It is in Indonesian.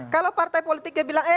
kalau partai politiknya bilang